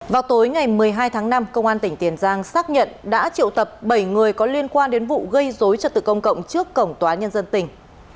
vào tối ngày một mươi hai tháng năm công an tỉnh tiền giang xác nhận đã triệu tập bảy người có liên quan đến vụ gây dối trật tự công cộng trước cổng tòa nhân dân tỉnh